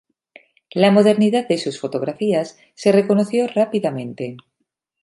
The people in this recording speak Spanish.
La modernidad de sus fotografías se reconoció rápidamente.